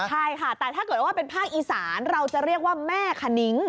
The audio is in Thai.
ใช่ค่ะแต่ถ้าเกิดว่าเป็นภาคอีสานเราจะเรียกว่าแม่ขนิ้ง